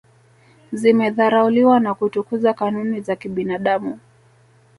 zimedharauliwa na kutukuza kanuni za kibinadamu